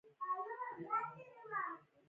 دا بحث د منځني ختیځ په اړه صدق کوي.